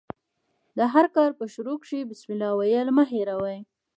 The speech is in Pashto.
د هر کار په شروع کښي بسم الله ویل مه هېروئ!